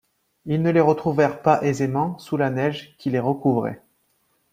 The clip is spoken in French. Ils ne les retrouvèrent pas aisément, sous la neige qui les recouvrait.